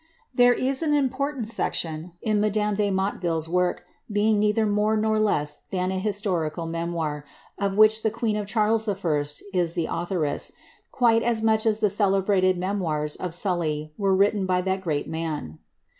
' There is an important section in madame de Motteville's work, beins neither more nor less than an historical memoir, of which the queen of Charles L is the authoress, quite as much as the celebrated memoirs of Sully were written by that great man.'